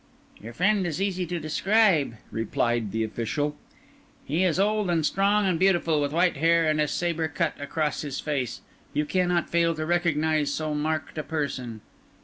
"Your friend is easy to describe," replied the official. "He is old and strong and beautiful, with white hair and a sabre cut across his face. You cannot fail to recognise so marked a person."